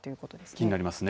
気になりますね。